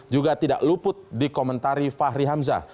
juga tidak luput di komentari fahri hamzah